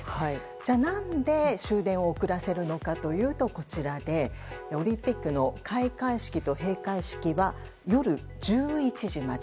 じゃあ何で終電を遅らせるのかというとオリンピックの開会式と閉会式は夜１１時まで。